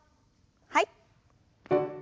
はい。